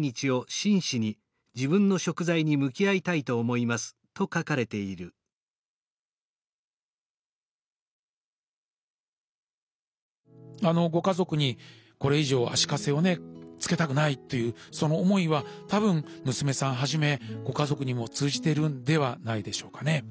そういうことを考えるとご家族にこれ以上足かせをねつけたくないというその思いは多分娘さんはじめご家族にも通じてるんではないでしょうかね。